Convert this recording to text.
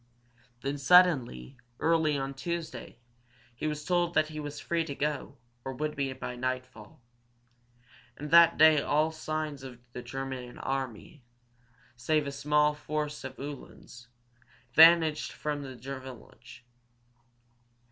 Then suddenly, early on Tuesday, he was told that he was free to go, or would be by nightfall. And that day all signs of the German army, save a small force of Uhlans, vanished from the village.